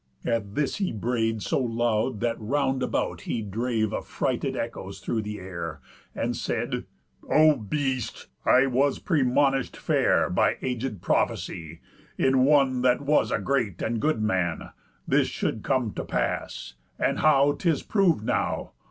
At this, he bray'd so loud, that round about He drave affrighted echoes through the air, And said: 'O beast! I was premonish'd fair, By aged prophecy, in one that was A great and good man, this should come to pass; And how 'tis prov'd now!